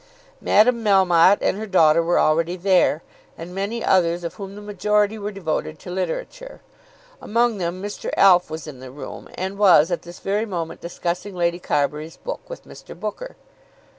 Madame Melmotte and her daughter were already there, and many others, of whom the majority were devoted to literature. Among them Mr. Alf was in the room, and was at this very moment discussing Lady Carbury's book with Mr. Booker.